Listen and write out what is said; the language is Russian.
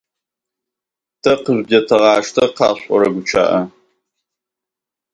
Мы поддерживаем предлагаемый Вами формат.